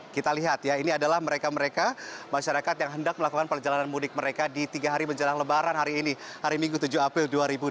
kita lihat ya ini adalah mereka mereka masyarakat yang hendak melakukan perjalanan mudik mereka di tiga hari menjelang lebaran hari ini hari minggu tujuh april dua ribu dua puluh